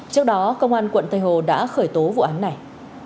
trước đó công an quận tây hồ đã khởi tố vụ án này